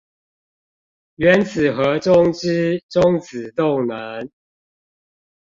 原子核中之中子動能